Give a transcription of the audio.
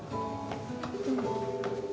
うん。